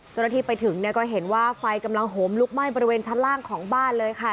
จนทีไปถึงก็เห็นว่าไฟกำลังหมลุกไหม้บริเวณชั้นล่างของบ้านเลยค่ะ